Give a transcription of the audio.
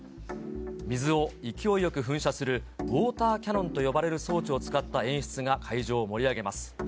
水を勢いよく噴射するウォーターキャノンと呼ばれる装置を使った演出が会場を盛り上げます。